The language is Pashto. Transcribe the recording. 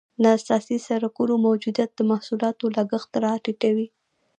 د اساسي سرکونو موجودیت د محصولاتو لګښت را ټیټوي